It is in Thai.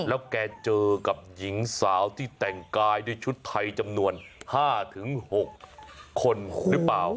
แล้วแกเจอกับหญิงสาวที่แต่งกายด้วยชุดไทยจำนวน๕๖คนหรือเปล่า